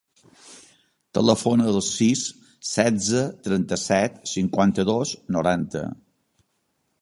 Telefona al sis, setze, trenta-set, cinquanta-dos, noranta.